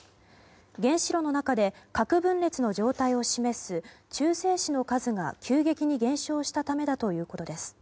原子炉の中で核分裂の状態を示す中性子の数が急激に減少したためだということです。